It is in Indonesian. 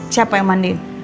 siapa yang mandiin